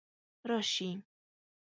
راشي